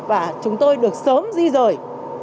và chúng tôi được sớm di rời